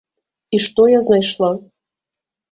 І што я знайшла?